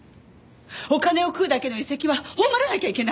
お金を食うだけの遺跡は葬らなきゃいけない！